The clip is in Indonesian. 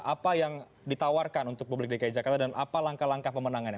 apa yang ditawarkan untuk publik dki jakarta dan apa langkah langkah pemenangannya